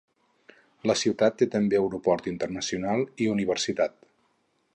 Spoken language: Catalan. La ciutat té també aeroport internacional i universitat.